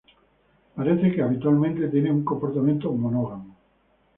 Parece que habitualmente tienen un comportamiento monógamo.